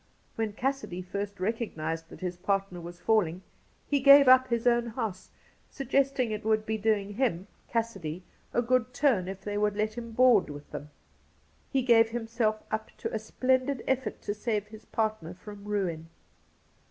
When Cassidy first recognised that his partner was falling, he gave up his own house, suggesting that it would be doing him (Cassidy) a good turn if they would let him board with them. He gave himself up to a splendid effort to save his partner from ruin.